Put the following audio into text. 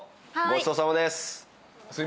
ごちそうさまです。